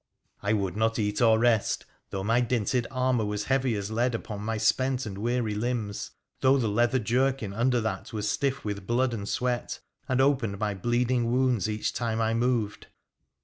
I would not eat or rest, though my dinted armour was heavy as lead upon my spent and weary limbs — though the leather jerkin under that was stiff with blood and sweat, and opened my bleeding wounds each time I moved.